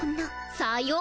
さよう。